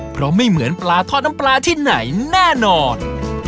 เพราะไม่เหมือนปลาทอดน้ำปลาที่ไหนแน่นอน